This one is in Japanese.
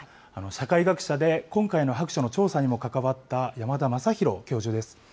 社会学者で、今回の白書の調査にも関わった山田昌弘教授です。